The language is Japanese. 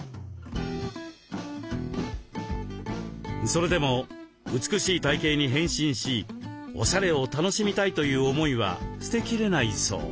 それでも美しい体形に変身しおしゃれを楽しみたいという思いは捨てきれないそう。